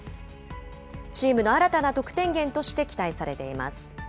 チームの新たな得点源として期待されています。